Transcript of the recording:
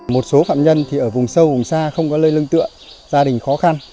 một số phạm nhân thì ở vùng sâu vùng xa không có lơi lưng tựa gia đình khó khăn